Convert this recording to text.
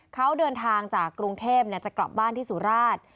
เขาเดินทางจากกรุงเทพจะกลับบ้านที่สุราช